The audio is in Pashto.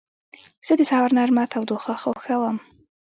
زه د سهار نرمه تودوخه خوښوم.